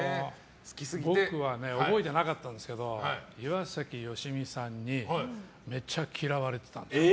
僕はね覚えてなかったんですけど岩崎良美さんにめちゃ嫌われてたんです。